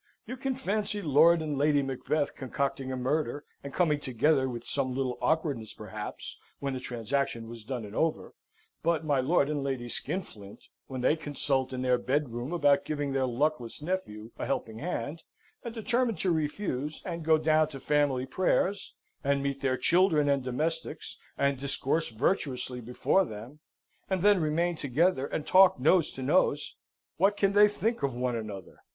You can fancy Lord and Lady Macbeth concocting a murder, and coming together with some little awkwardness, perhaps, when the transaction was done and over; but my Lord and Lady Skinflint, when they consult in their bedroom about giving their luckless nephew a helping hand, and determine to refuse, and go down to family prayers, and meet their children and domestics, and discourse virtuously before them, and then remain together, and talk nose to nose, what can they think of one another?